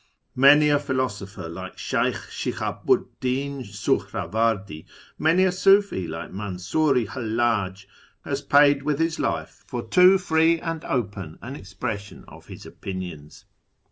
Many a philosopher like Sheykh Shihabu 'd Din Suhravardi, many a Sufi like Mansur i Hallaj, has paid with his life for too free and open an expression of his opinions.